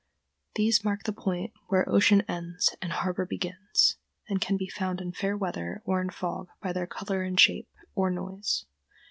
These mark the point where ocean ends and harbor begins, and can be found in fair weather or in fog by their color and shape, or noise.